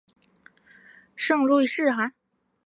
圣路易士哈！